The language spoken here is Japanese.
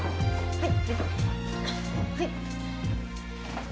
はい。